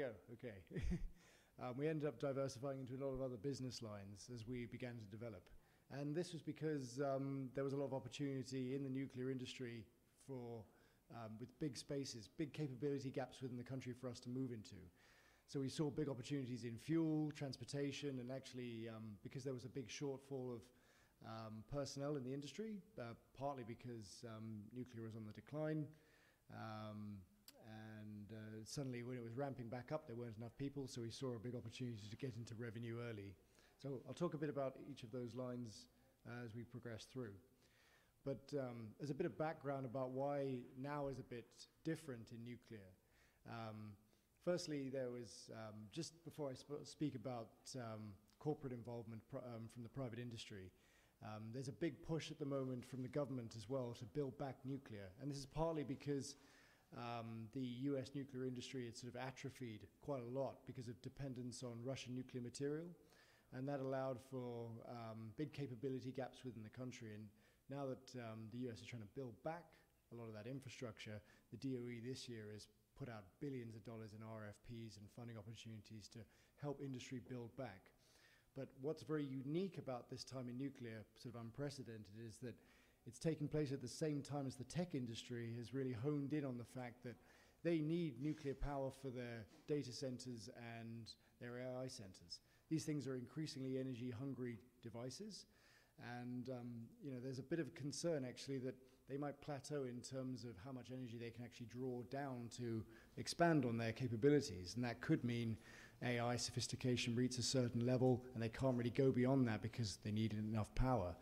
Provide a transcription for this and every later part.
Oh, there we go. Okay. We ended up diversifying into a lot of other business lines as we began to develop. And this was because there was a lot of opportunity in the nuclear industry for, with big spaces, big capability gaps within the country for us to move into. So we saw big opportunities in fuel, transportation, and actually because there was a big shortfall of personnel in the industry, partly because nuclear was on the decline. And suddenly, when it was ramping back up, there weren't enough people, so we saw a big opportunity to get into revenue early. So I'll talk a bit about each of those lines as we progress through. But there's a bit of background about why now is a bit different in nuclear. Firstly, there was just before I speak about corporate involvement from the private industry, there's a big push at the moment from the government as well to build back nuclear. And this is partly because the U.S. nuclear industry had sort of atrophied quite a lot because of dependence on Russian nuclear material. And that allowed for big capability gaps within the country. And now that the U.S. is trying to build back a lot of that infrastructure, the DOE this year has put out billions of dollars in RFPs and funding opportunities to help industry build back. But what's very unique about this time in nuclear, sort of unprecedented, is that it's taking place at the same time as the tech industry has really honed in on the fact that they need nuclear power for their data centers and their AI centers. These things are increasingly energy-hungry devices. And there's a bit of concern, actually, that they might plateau in terms of how much energy they can actually draw down to expand on their capabilities. And that could mean AI sophistication reaches a certain level, and they can't really go beyond that because they need enough power.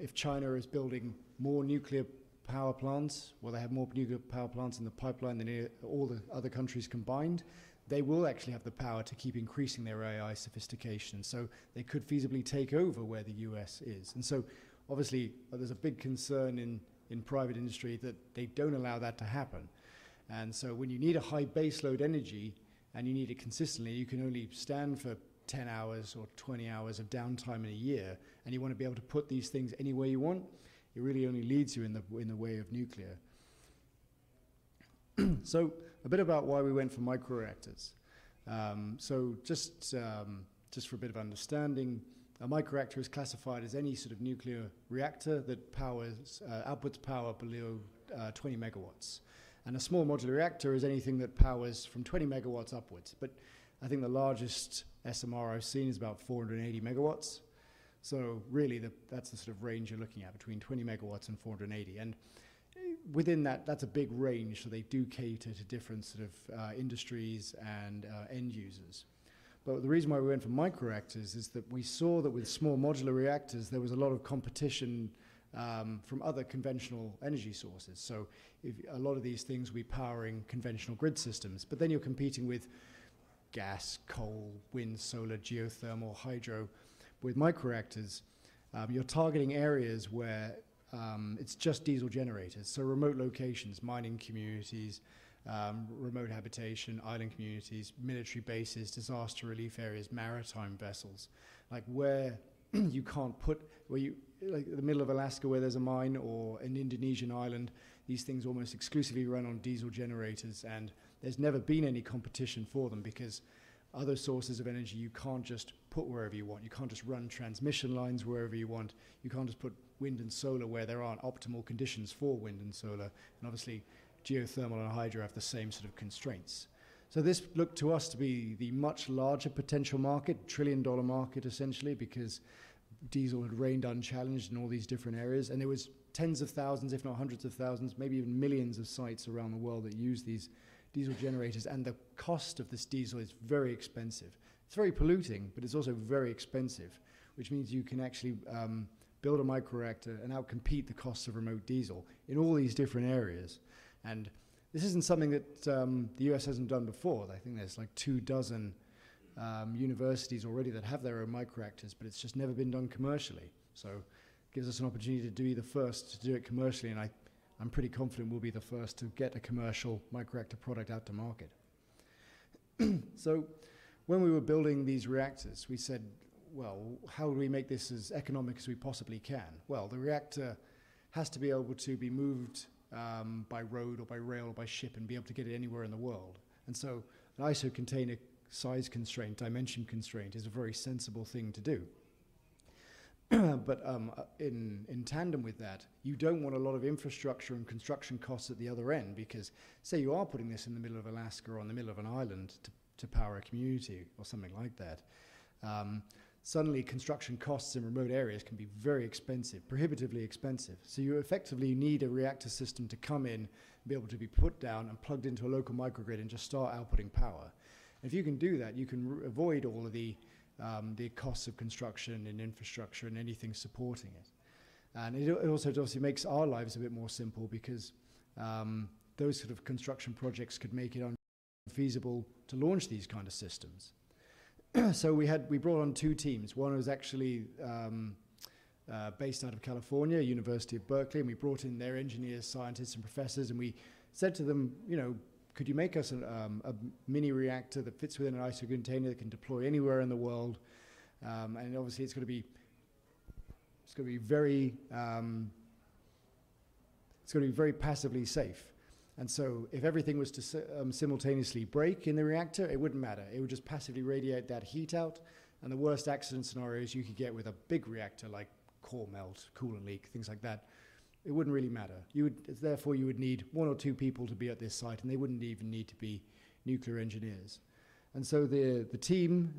If China is building more nuclear power plants, or they have more nuclear power plants in the pipeline than all the other countries combined, they will actually have the power to keep increasing their AI sophistication. So they could feasibly take over where the U.S. is. And so obviously, there's a big concern in private industry that they don't allow that to happen. And so when you need a high baseload energy, and you need it consistently, you can only stand for 10 hours or 20 hours of downtime in a year. And you want to be able to put these things any way you want. It really only leads you in the way of nuclear. So a bit about why we went for micro-reactors. So just for a bit of understanding, a micro-reactor is classified as any sort of nuclear reactor that outputs power below 20 MW. And a small modular reactor is anything that powers from 20 MW upwards. But I think the largest SMR I've seen is about 480 MW. So really, that's the sort of range you're looking at between 20 MW and 480. And within that, that's a big range. So they do cater to different sort of industries and end users. But the reason why we went for micro-reactors is that we saw that with small modular reactors, there was a lot of competition from other conventional energy sources. So a lot of these things we're powering conventional grid systems. But then you're competing with gas, coal, wind, solar, geothermal, hydro. With micro-reactors, you're targeting areas where it's just diesel generators. So remote locations, mining communities, remote habitation, island communities, military bases, disaster relief areas, maritime vessels. Like where you can't put like the middle of Alaska where there's a mine or an Indonesian island, these things almost exclusively run on diesel generators. And there's never been any competition for them because other sources of energy you can't just put wherever you want. You can't just run transmission lines wherever you want. You can't just put wind and solar where there aren't optimal conditions for wind and solar. And obviously, geothermal and hydro have the same sort of constraints. So this looked to us to be the much larger potential market, trillion-dollar market, essentially, because diesel had reigned unchallenged in all these different areas. And there were tens of thousands, if not hundreds of thousands, maybe even millions of sites around the world that use these diesel generators. And the cost of this diesel is very expensive. It's very polluting, but it's also very expensive, which means you can actually build a micro-reactor and outcompete the costs of remote diesel in all these different areas. And this isn't something that the U.S. hasn't done before. I think there's like two dozen universities already that have their own micro-reactors, but it's just never been done commercially. So it gives us an opportunity to be the first to do it commercially. And I'm pretty confident we'll be the first to get a commercial micro-reactor product out to market. When we were building these reactors, we said, well, how do we make this as economic as we possibly can? The reactor has to be able to be moved by road or by rail or by ship and be able to get it anywhere in the world, and so the ISO container size constraint, dimension constraint is a very sensible thing to do, but in tandem with that, you don't want a lot of infrastructure and construction costs at the other end because say you are putting this in the middle of Alaska or in the middle of an island to power a community or something like that. Suddenly, construction costs in remote areas can be very expensive, prohibitively expensive, so you effectively need a reactor system to come in, be able to be put down and plugged into a local microgrid and just start outputting power. If you can do that, you can avoid all of the costs of construction and infrastructure and anything supporting it. And it also obviously makes our lives a bit more simple because those sort of construction projects could make it feasible to launch these kinds of systems. So we brought on two teams. One was actually based out of California, University of California, Berkeley. And we brought in their engineers, scientists, and professors. And we said to them, could you make us a mini reactor that fits within an ISO container that can deploy anywhere in the world? And obviously, it's going to be very passively safe. And so if everything was to simultaneously break in the reactor, it wouldn't matter. It would just passively radiate that heat out. The worst accident scenarios you could get with a big reactor like core melt, coolant leak, things like that, it wouldn't really matter. Therefore, you would need one or two people to be at this site. They wouldn't even need to be nuclear engineers. The team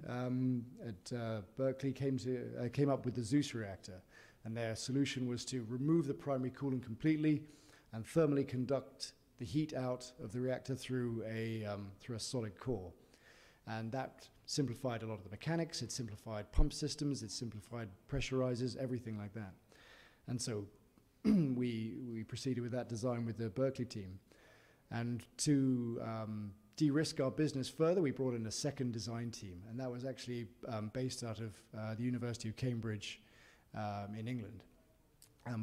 at Berkeley came up with the Zeus reactor. Their solution was to remove the primary coolant completely and thermally conduct the heat out of the reactor through a solid core. That simplified a lot of the mechanics. It simplified pump systems. It simplified pressurizers, everything like that. We proceeded with that design with the Berkeley team. To de-risk our business further, we brought in a second design team. That was actually based out of the University of Cambridge in England.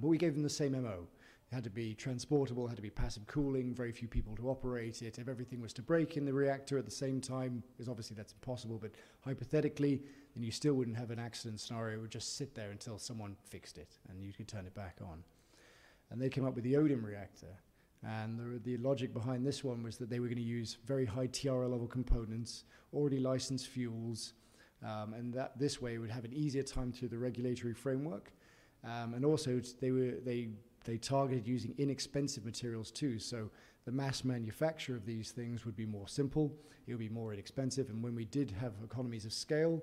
We gave them the same MO. It had to be transportable, had to be passive cooling, very few people to operate it. If everything was to break in the reactor at the same time, obviously that's impossible. But hypothetically, then you still wouldn't have an accident scenario. It would just sit there until someone fixed it. And you could turn it back on. And they came up with the Odin reactor. And the logic behind this one was that they were going to use very high TRL level components, already licensed fuels. And this way, it would have an easier time through the regulatory framework. And also, they targeted using inexpensive materials too. So the mass manufacture of these things would be more simple. It would be more inexpensive. And when we did have economies of scale,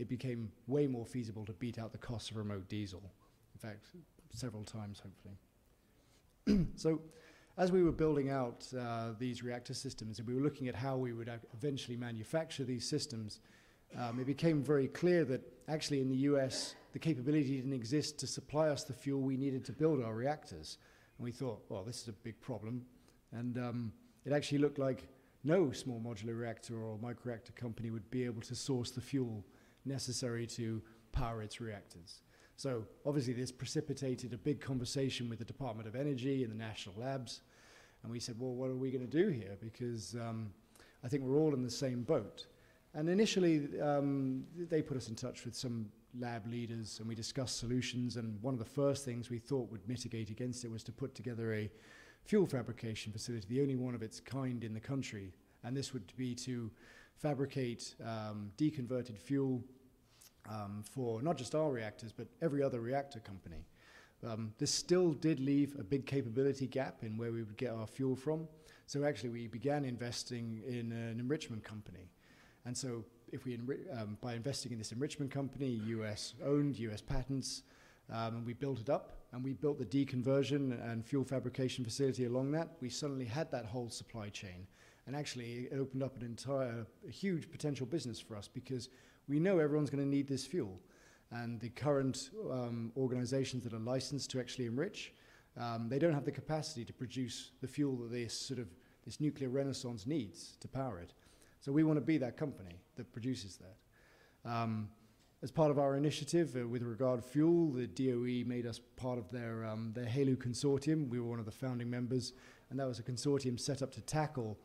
it became way more feasible to beat out the costs of remote diesel, in fact, several times, hopefully. So as we were building out these reactor systems and we were looking at how we would eventually manufacture these systems, it became very clear that actually in the U.S., the capability didn't exist to supply us the fuel we needed to build our reactors. And we thought, well, this is a big problem. And it actually looked like no small modular reactor or micro-reactor company would be able to source the fuel necessary to power its reactors. So obviously, this precipitated a big conversation with the U.S. Department of Energy and the national labs. And we said, well, what are we going to do here? Because I think we're all in the same boat. And initially, they put us in touch with some lab leaders. And we discussed solutions. And one of the first things we thought would mitigate against it was to put together a fuel fabrication facility, the only one of its kind in the country. And this would be to fabricate deconverted fuel for not just our reactors, but every other reactor company. This still did leave a big capability gap in where we would get our fuel from. So actually, we began investing in an enrichment company. And so by investing in this enrichment company, U.S. owned, U.S. patents, we built it up. And we built the deconversion and fuel fabrication facility along that. We suddenly had that whole supply chain. And actually, it opened up an entire huge potential business for us because we know everyone's going to need this fuel. The current organizations that are licensed to actually enrich, they don't have the capacity to produce the fuel that this sort of nuclear renaissance needs to power it, so we want to be that company that produces that. As part of our initiative with regard to fuel, the DOE made us part of their HALEU Consortium. We were one of the founding members, and that was a consortium set up to tackle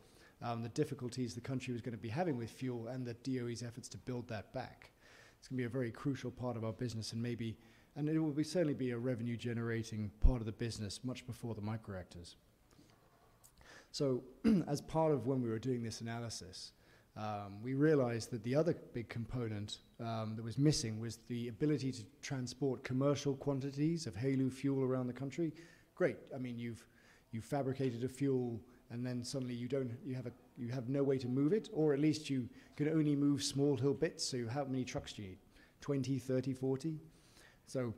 the difficulties the country was going to be having with fuel and the DOE's efforts to build that back. It's going to be a very crucial part of our business, and it will certainly be a revenue-generating part of the business much before the micro-reactors. So as part of when we were doing this analysis, we realized that the other big component that was missing was the ability to transport commercial quantities of HALEU fuel around the country. Great. I mean, you've fabricated a fuel. And then suddenly, you have no way to move it. Or at least you can only move small little bits. So how many trucks do you need? 20, 30, 40? So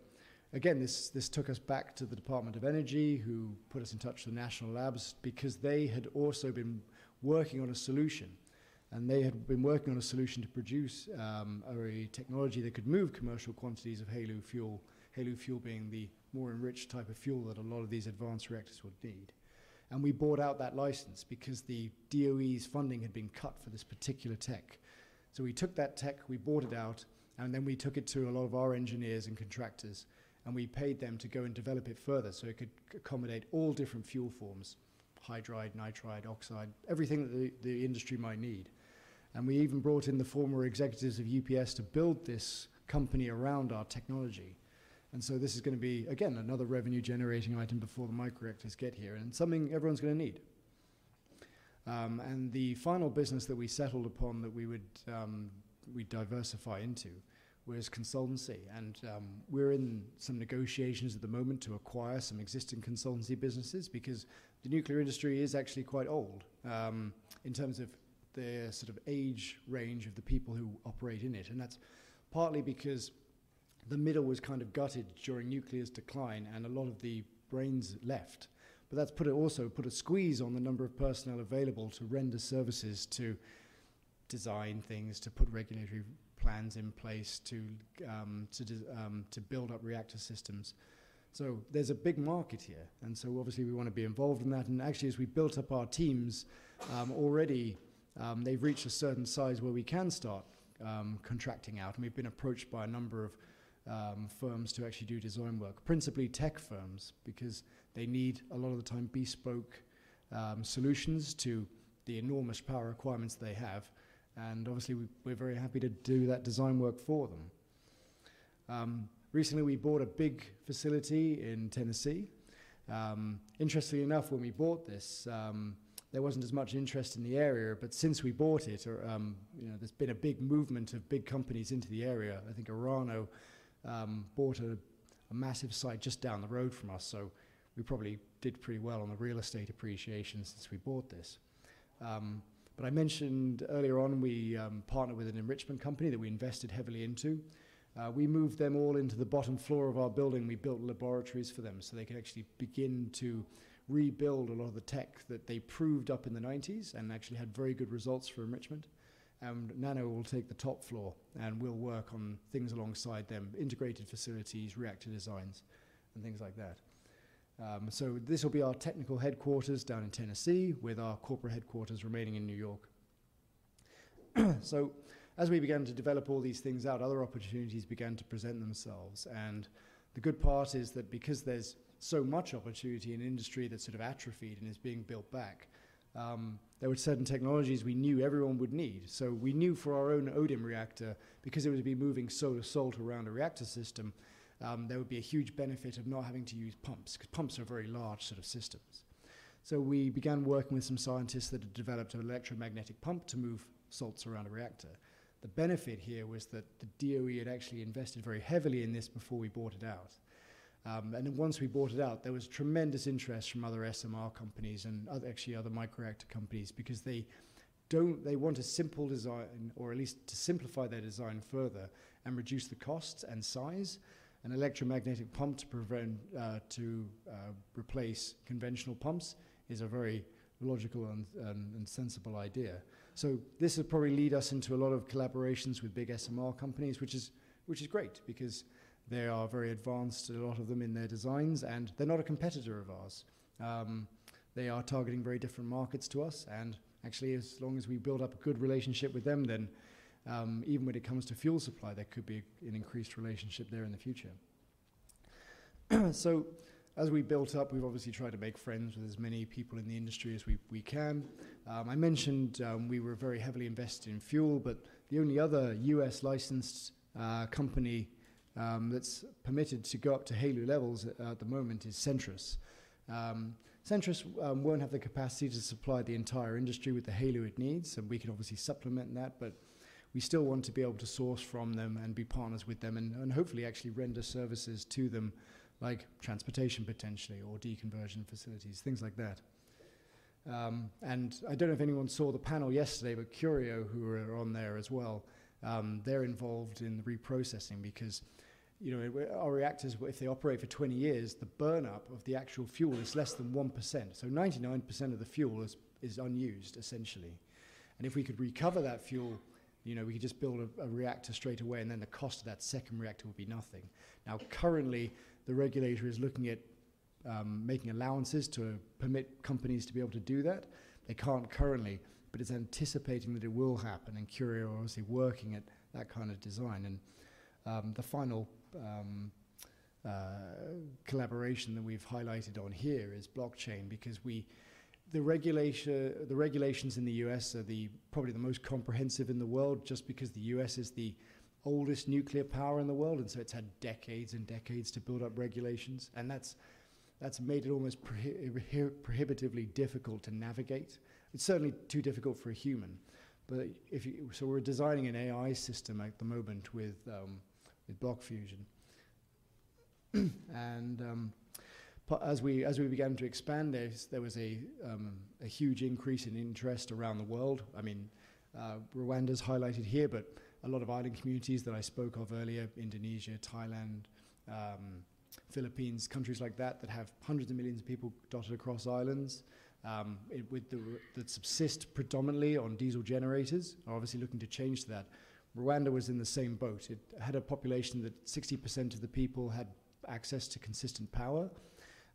again, this took us back to the Department of Energy, who put us in touch with the national labs because they had also been working on a solution. And they had been working on a solution to produce a technology that could move commercial quantities of HALEU fuel, HALEU fuel being the more enriched type of fuel that a lot of these advanced reactors would need. And we bought out that license because the DOE's funding had been cut for this particular tech. So we took that tech, we bought it out. And then we took it to a lot of our engineers and contractors. And we paid them to go and develop it further so it could accommodate all different fuel forms, hydride, nitride, oxide, everything that the industry might need. And we even brought in the former executives of UPS to build this company around our technology. And so this is going to be, again, another revenue-generating item before the micro-reactors get here and something everyone's going to need. And the final business that we settled upon that we'd diversify into was consultancy. And we're in some negotiations at the moment to acquire some existing consultancy businesses because the nuclear industry is actually quite old in terms of the sort of age range of the people who operate in it. And that's partly because the middle was kind of gutted during nuclear's decline and a lot of the brains left. But that's also put a squeeze on the number of personnel available to render services to design things, to put regulatory plans in place, to build up reactor systems. So there's a big market here. And so obviously, we want to be involved in that. And actually, as we built up our teams already, they've reached a certain size where we can start contracting out. We've been approached by a number of firms to actually do design work, principally tech firms, because they need a lot of the time bespoke solutions to the enormous power requirements they have. Obviously, we're very happy to do that design work for them. Recently, we bought a big facility in Tennessee. Interestingly enough, when we bought this, there wasn't as much interest in the area. Since we bought it, there's been a big movement of big companies into the area. I think Orano bought a massive site just down the road from us. We probably did pretty well on the real estate appreciation since we bought this. I mentioned earlier on we partnered with an enrichment company that we invested heavily into. We moved them all into the bottom floor of our building. We built laboratories for them so they could actually begin to rebuild a lot of the tech that they proved up in the 1990s and actually had very good results for enrichment, and NANO will take the top floor, and we'll work on things alongside them, integrated facilities, reactor designs, and things like that, so this will be our technical headquarters down in Tennessee with our corporate headquarters remaining in New York, so as we began to develop all these things out, other opportunities began to present themselves, and the good part is that because there's so much opportunity in industry that's sort of atrophied and is being built back, there were certain technologies we knew everyone would need. We knew for our own Odin reactor, because it would be moving molten salt around a reactor system, there would be a huge benefit of not having to use pumps because pumps are very large sort of systems. We began working with some scientists that had developed an electromagnetic pump to move salts around a reactor. The benefit here was that the DOE had actually invested very heavily in this before we bought it out. Then once we bought it out, there was tremendous interest from other SMR companies and actually other micro-reactor companies because they want a simple design or at least to simplify their design further and reduce the costs and size. An electromagnetic pump to replace conventional pumps is a very logical and sensible idea. So this will probably lead us into a lot of collaborations with big SMR companies, which is great because they are very advanced, a lot of them in their designs. And they're not a competitor of ours. They are targeting very different markets to us. And actually, as long as we build up a good relationship with them, then even when it comes to fuel supply, there could be an increased relationship there in the future. So as we built up, we've obviously tried to make friends with as many people in the industry as we can. I mentioned we were very heavily invested in fuel. But the only other U.S. licensed company that's permitted to go up to HALEU levels at the moment is Centris. Centris won't have the capacity to supply the entire industry with the HALEU it needs. And we can obviously supplement that. But we still want to be able to source from them and be partners with them and hopefully actually render services to them like transportation potentially or deconversion facilities, things like that. And I don't know if anyone saw the panel yesterday, but Curio, who were on there as well, they're involved in the reprocessing because our reactors, if they operate for 20 years, the burn up of the actual fuel is less than 1%. So 99% of the fuel is unused, essentially. And if we could recover that fuel, we could just build a reactor straight away. And then the cost of that second reactor would be nothing. Now, currently, the regulator is looking at making allowances to permit companies to be able to do that. They can't currently. But it's anticipating that it will happen. And Curio is obviously working at that kind of design. And the final collaboration that we've highlighted on here is blockchain because the regulations in the U.S. are probably the most comprehensive in the world just because the U.S. is the oldest nuclear power in the world. And so it's had decades and decades to build up regulations. And that's made it almost prohibitively difficult to navigate. It's certainly too difficult for a human. So we're designing an AI system at the moment with Blockfusion. And as we began to expand, there was a huge increase in interest around the world. I mean, Rwanda's highlighted here. But a lot of island communities that I spoke of earlier, Indonesia, Thailand, Philippines, countries like that that have hundreds of millions of people dotted across islands that subsist predominantly on diesel generators are obviously looking to change to that. Rwanda was in the same boat. It had a population that 60% of the people had access to consistent power,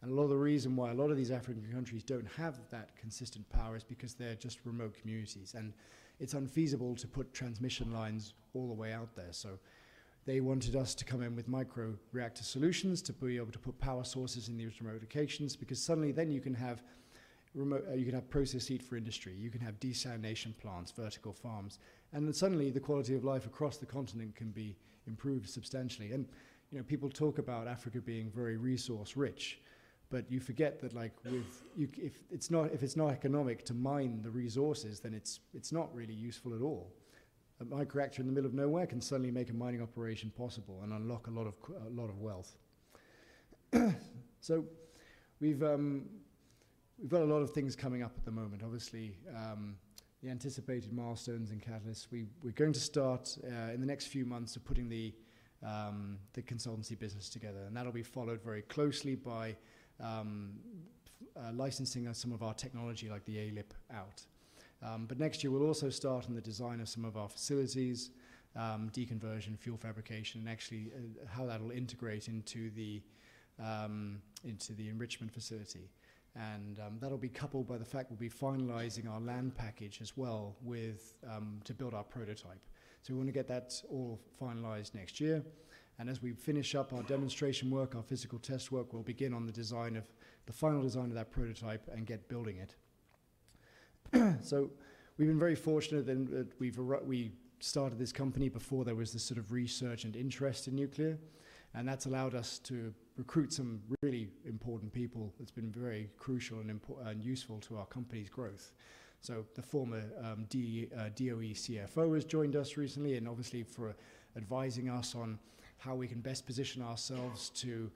and a lot of the reason why a lot of these African countries don't have that consistent power is because they're just remote communities, and it's unfeasible to put transmission lines all the way out there, so they wanted us to come in with micro-reactor solutions to be able to put power sources in these remote locations because suddenly, then you can have process heat for industry, you can have desalination plants, vertical farms, and then suddenly, the quality of life across the continent can be improved substantially, and people talk about Africa being very resource rich, but you forget that if it's not economic to mine the resources, then it's not really useful at all. A micro-reactor in the middle of nowhere can suddenly make a mining operation possible and unlock a lot of wealth. So we've got a lot of things coming up at the moment. Obviously, the anticipated milestones and catalysts, we're going to start in the next few months of putting the consultancy business together. And that'll be followed very closely by licensing some of our technology like the ALIP out. But next year, we'll also start on the design of some of our facilities, deconversion, fuel fabrication, and actually how that'll integrate into the enrichment facility. And that'll be coupled by the fact we'll be finalizing our land package as well to build our prototype. So we want to get that all finalized next year. And as we finish up our demonstration work, our physical test work, we'll begin on the final design of that prototype and get building it. So we've been very fortunate that we started this company before there was this sort of research and interest in nuclear. And that's allowed us to recruit some really important people. It's been very crucial and useful to our company's growth. So the former DOE CFO has joined us recently and obviously for advising us on how we can best position ourselves to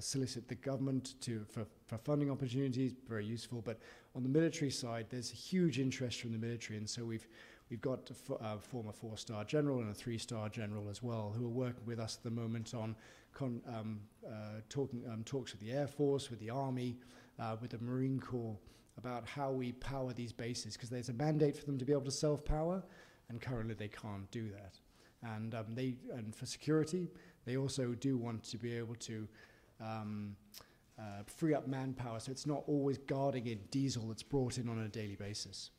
solicit the government for funding opportunities, very useful. But on the military side, there's a huge interest from the military. And so we've got a former four-star general and a three-star general as well who are working with us at the moment on talks with the Air Force, with the Army, with the Marine Corps about how we power these bases because there's a mandate for them to be able to self-power. And currently, they can't do that. And for security, they also do want to be able to free up manpower so it's not always guarding in diesel that's brought in on a daily basis.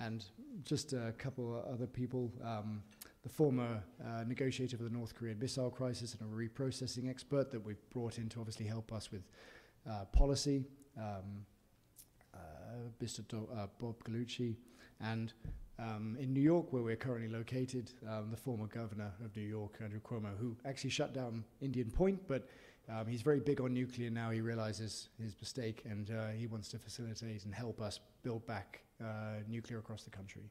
And just a couple of other people, the former negotiator for the North Korean missile crisis and a reprocessing expert that we've brought in to obviously help us with policy, Mr. Bob Gallucci. And in New York, where we're currently located, the former governor of New York, Andrew Cuomo, who actually shut down Indian Point. But he's very big on nuclear now. He realizes his mistake. And he wants to facilitate and help us build back nuclear across the country.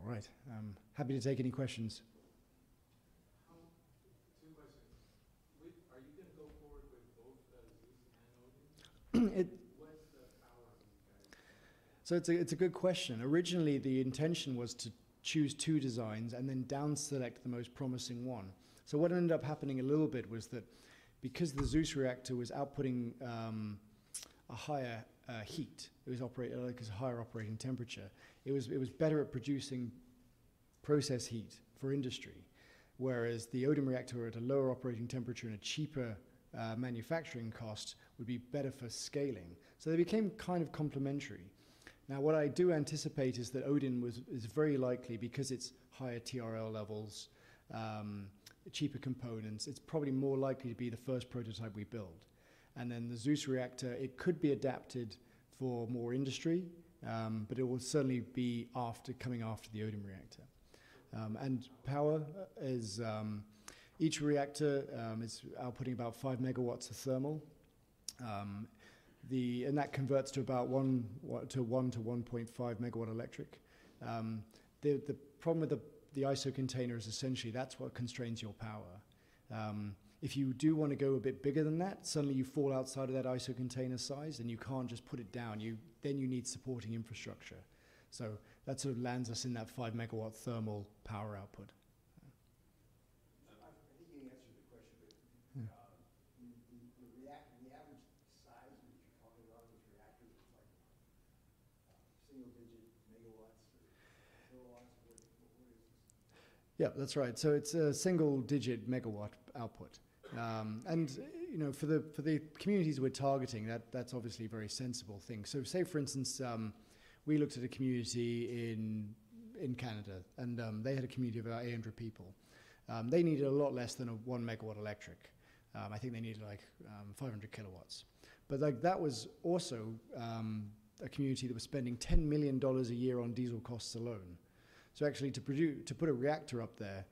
All right. Happy to take any questions. Two questions. Are you going to go forward with both the Zeus and Odin? What's the power of these guys? It's a good question. Originally, the intention was to choose two designs and then down-select the most promising one. What ended up happening a little bit was that because the Zeus reactor was outputting a higher heat, it was operating at a higher operating temperature, it was better at producing process heat for industry. Whereas the Odin reactor at a lower operating temperature and a cheaper manufacturing cost would be better for scaling. They became kind of complementary. Now, what I do anticipate is that Odin is very likely because it's higher TRL levels, cheaper components, it's probably more likely to be the first prototype we build. Then the Zeus reactor, it could be adapted for more industry. It will certainly be coming after the Odin reactor. Power, each reactor is outputting about 5 MW of thermal. And that converts to about one to 1.5 MW electric. The problem with the ISO container is essentially that's what constrains your power. If you do want to go a bit bigger than that, suddenly you fall outside of that ISO container size. And you can't just put it down. Then you need supporting infrastructure. So that sort of lands us in that five MW thermal power output. I think you answered the question. But the average size that you're talking about with these reactors is like single-digit MW or kW? What is this? Yeah, that's right. So it's a single-digit MW output, and for the communities we're targeting, that's obviously a very sensible thing. So say, for instance, we looked at a community in Canada, and they had a community of about 800 people. They needed a lot less than a one MW electric. I think they needed like 500 kW, but that was also a community that was spending $10 million a year on diesel costs alone. So actually, to put a reactor up there,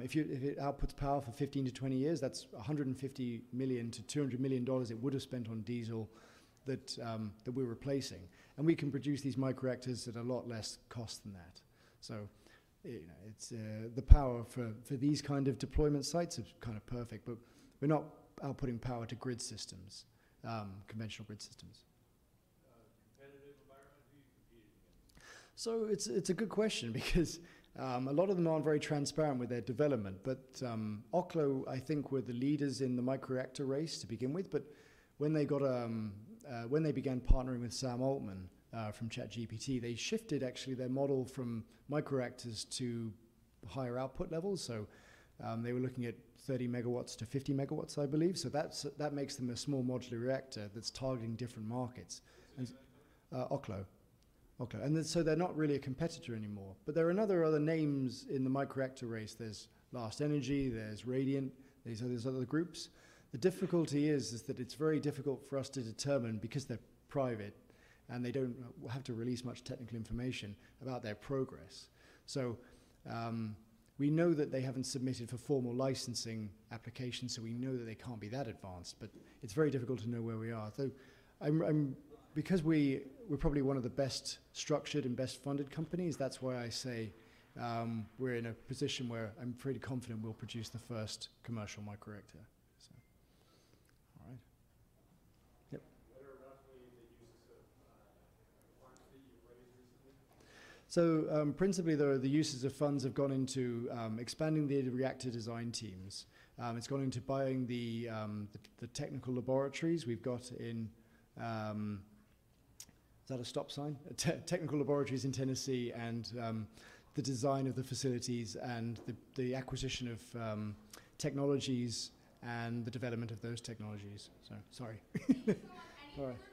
if it outputs power for 15-20 years, that's $150 million-$200 million it would have spent on diesel that we're replacing, and we can produce these micro-reactors at a lot less cost than that. So the power for these kind of deployment sites is kind of perfect, but we're not outputting power to grid systems, conventional grid systems. Competitive environment, who are you competing against? It's a good question because a lot of them aren't very transparent with their development. But Oklo, I think, were the leaders in the micro-reactor race to begin with. But when they began partnering with Sam Altman from ChatGPT, they shifted actually their model from micro-reactors to higher output levels. So they were looking at 30-50 MW, I believe. So that makes them a small modular reactor that's targeting different markets. Oklo? Oklo, and so they're not really a competitor anymore, but there are other names in the micro-reactor race. There's Last Energy, there's Radiant, there's other groups. The difficulty is that it's very difficult for us to determine because they're private, and they don't have to release much technical information about their progress, so we know that they haven't submitted for formal licensing applications, so we know that they can't be that advanced, but it's very difficult to know where we are. Because we're probably one of the best structured and best funded companies, that's why I say we're in a position where I'm pretty confident we'll produce the first commercial micro-reactor. All right. What are roughly the uses of funds that you've raised recently? So principally, the uses of funds have gone into expanding the reactor design teams. It's gone into buying the technical laboratories we've got in Tennessee and the design of the facilities and the acquisition of technologies and the development of those technologies. Sorry. If someone has any further questions, they can please be taken outside.